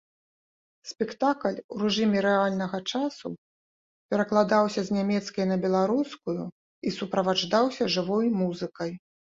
Спектакль у рэжыме рэальнага часу перакладаўся з нямецкай на беларускую і суправаджаўся жывой музыкай.